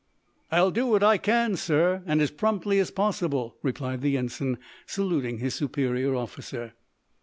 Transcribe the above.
"I'll do what I can, sir, and as promptly as possible," replied the ensign, saluting his superior officer.